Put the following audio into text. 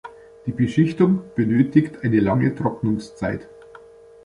Die Beschichtung benötigt eine lange Trocknungszeit.